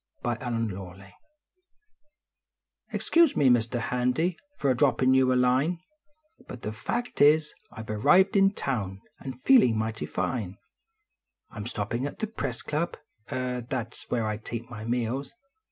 tell ? NO HARM DONE Excuse me, Mr. Hand} , for a droppin you a line, Hut the fact is, I ve arrived in town and feeling mightv fine ; I m stoppin at the Press Club, er that s where I take my meals.